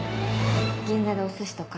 銀座でお寿司とか。